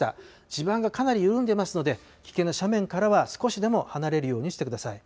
地盤がかなり緩んでいますので、危険な斜面からは少しでも離れるようにしてください。